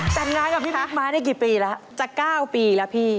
แต่งงานกับพี่บุ๊กมาได้กี่ปีแล้วจะ๙ปีแล้วพี่